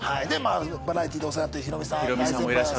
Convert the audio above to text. バラエティーでお世話になってるヒロミさん大先輩です。